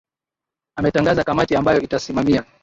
ametangaza kamati ambayo itasimamia